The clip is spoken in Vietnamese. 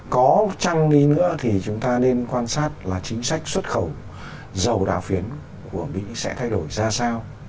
có trăng đi nữa thì chúng ta nên quan sát là chính sách xuất khẩu dầu đạo phiến của mỹ sẽ thay đổi ra sao